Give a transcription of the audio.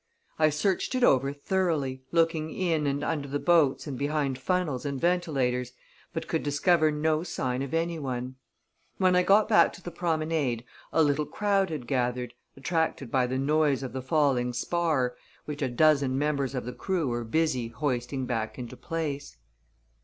I searched it over thoroughly, looking in and under the boats and behind funnels and ventilators, but could discover no sign of anyone. When I got back to the promenade, a little crowd had gathered, attracted by the noise of the falling spar, which a dozen members of the crew were busy hoisting back into place.